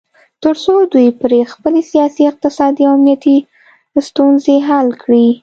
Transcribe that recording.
تر څو دوی پرې خپلې سیاسي، اقتصادي او امنیتي ستونځې حل کړي